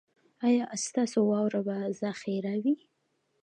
ایا ستاسو واوره به ذخیره وي؟